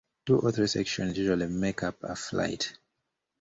Two or three sections usually make up a flight.